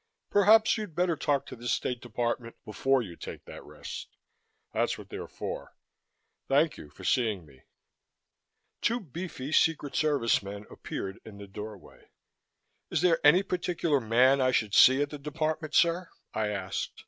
Perhaps you'd better talk to the State Department before you take that rest. That's what they're for. Thank you for seeing me." Two beefy Secret Service men appeared in the doorway. "Is there any particular man I should see at the Department, sir?" I asked.